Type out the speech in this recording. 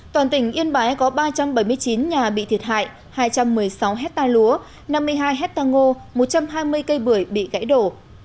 toàn tỉnh yên bái có ba trăm bảy mươi chín nhà bị thiệt hại hai trăm một mươi sáu hectare lúa năm mươi hai hectare ngô một trăm hai mươi cây bưởi bị gãy đổ